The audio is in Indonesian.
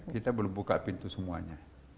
kita belum buka pintu semuanya